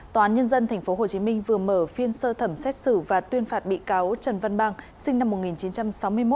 tòa án nhân dân tp hcm vừa mở phiên sơ thẩm xét xử và tuyên phạt bị cáo trần văn sinh năm một nghìn chín trăm sáu mươi một